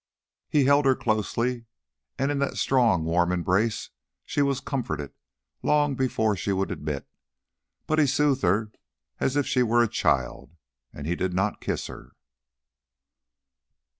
He held her closely, and in that strong warm embrace she was comforted long before she would admit; but he soothed her as if she were a child, and he did not kiss her.